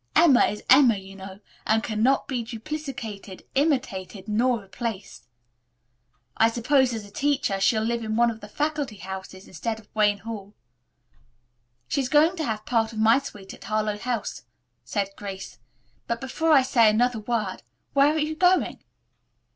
Emma is Emma, you know, and cannot be duplicated, imitated nor replaced. I suppose, as a teacher, she'll live in one of the faculty houses, instead of Wayne Hall." "She is going to have part of my suite at Harlowe House," said Grace. "But, before I say another word, where are you going?"